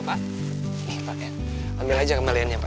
pak ini pak ya ambil aja kembaliannya pak